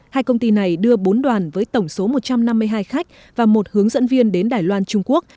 hai công ty này đưa bốn đoàn với tổng số một trăm năm mươi hai khách và một hướng dẫn viên đến đài loan trung quốc